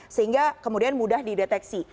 sehingga kemudian mudah dideteksi